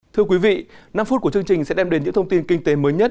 thưa quý vị năm phút của chương trình sẽ đem đến những thông tin kinh tế mới nhất